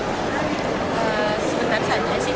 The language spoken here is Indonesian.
sebentar saja sih